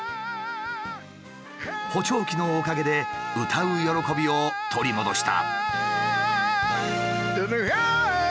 補聴器のおかげで歌う喜びを取り戻した。